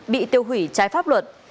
bị tiêu hủy trái pháp luật